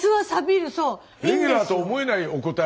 レギュラーと思えないお答え。